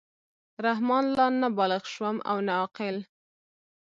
رحمان لا نه بالِغ شوم او نه عاقل.